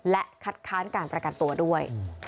และคัดค้านการประกันตัวด้วย